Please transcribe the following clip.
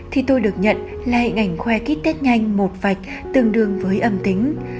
thì tôi được nhận là hình ảnh khoe kít tét nhanh một vạch tương đương với âm tính